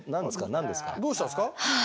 どうしたんですか？